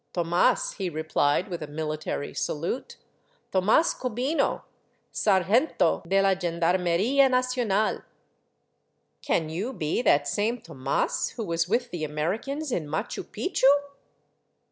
Tomas," he replied, with a military salute, " Tomas Cobino, sa'r gento de la Gendarmeria Nacional." " Can you be that same Tomas who was with the Americans in Machu Picchu?"